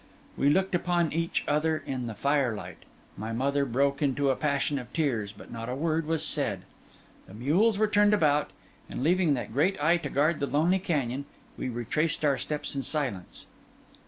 We looked upon each other in the firelight; my mother broke into a passion of tears; but not a word was said. The mules were turned about; and leaving that great eye to guard the lonely canyon, we retraced our steps in silence.